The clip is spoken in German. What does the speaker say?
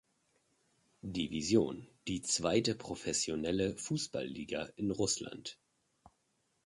Division, die zweite professionelle Fußball-Liga in Russland.